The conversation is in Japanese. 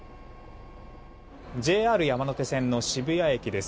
ＪＲ山手線の渋谷駅です。